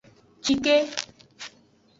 Shike.